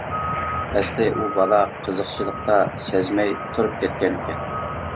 ئەسلى ئۇ بالا قىزىقچىلىقتا سەزمەي تۇرۇپ كەتكەن ئىكەن.